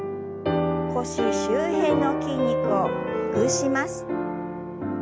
腰周辺の筋肉をほぐします。